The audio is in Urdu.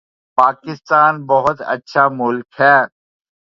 پاکستان بہت اچھا ملک ہے